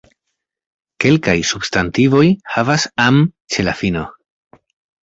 Kelkaj substantivoj havas "-am" ĉe la fino.